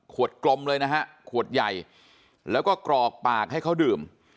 กลมเลยนะฮะขวดใหญ่แล้วก็กรอกปากให้เขาดื่ม